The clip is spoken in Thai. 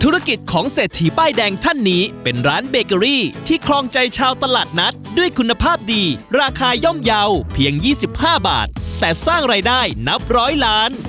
ธุรกิจของเศรษฐีป้ายแดงท่านนี้เป็นร้านเบเกอรี่ที่ครองใจชาวตลาดนัดด้วยคุณภาพดีราคาย่อมเยาว์เพียง๒๕บาทแต่สร้างรายได้นับร้อยล้าน